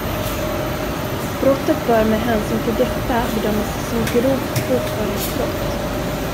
Brottet bör med hänsyn till detta bedömas som grovt bokföringsbrott.